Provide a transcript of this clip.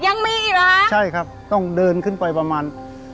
ยังมีอีกเหรอฮะใช่ครับต้องเดินขึ้นไปประมาณ